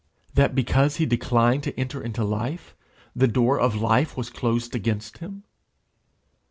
that because he declined to enter into life the door of life was closed against him?